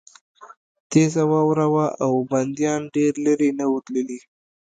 تېزه واوره وه او بندیان ډېر لېرې نه وو تللي